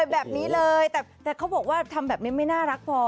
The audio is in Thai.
แบบนี้เลยแต่เขาบอกว่าทำแบบนี้ไม่น่ารักพอ